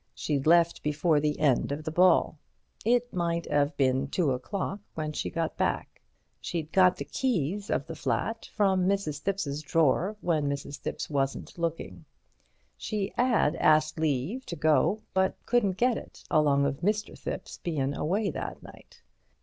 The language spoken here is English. She'd left before the end of the ball. It might 'ave been two o'clock when she got back. She'd got the keys of the flat from Mrs. Thipps's drawer when Mrs. Thipps wasn't looking. She 'ad asked leave to go, but couldn't get it, along of Mr. Thipps bein' away that night.